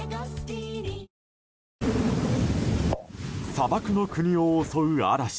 砂漠の国を襲う嵐。